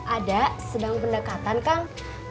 ada sedang pendekatan kang